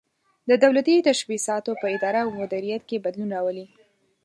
د دولتي تشبثاتو په اداره او مدیریت کې بدلون راولي.